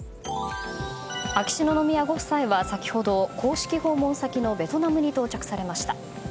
秋篠宮ご夫妻は先ほど公式訪問先のベトナムに到着されました。